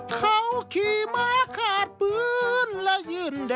เขาขี่ม้าขาดปืนและยืนเดิน